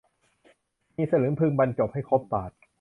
มีสลึงพึงบรรจบให้ครบบาท